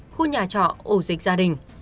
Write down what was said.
khu nhà trọ ổ dịch gia đình